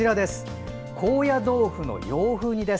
高野豆腐の洋風煮です。